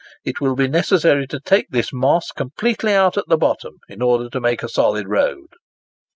. It will be necessary to take this Moss completely out at the bottom, in order to make a solid road."